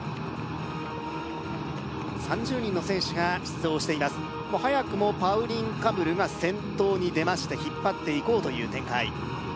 ３０人の選手が出場しています早くもパウリン・カムルが先頭に出まして引っ張っていこうという展開